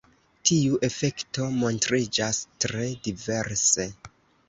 Tiu efekto montriĝas tre diverse.